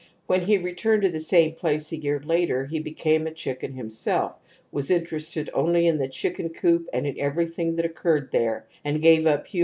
When he returned to the same place a year later he became a chicken himself, was interested only in the chicken coop and in everything that occurred there, and gave up human speech for *' S.